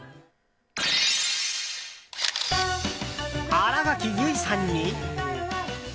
新垣結衣さんに。